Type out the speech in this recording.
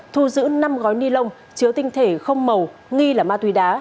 thu giữ năm gói ni lông chứa tinh thể không màu nghi là ma túy đá